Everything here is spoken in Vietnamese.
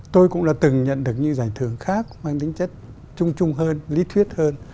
tôi cũng đã từng nhận được những giải thưởng khác mang tính chất trung trung hơn lý thuyết hơn